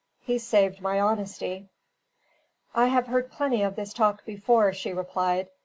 He saved my honesty." "I have heard plenty of this talk before," she replied.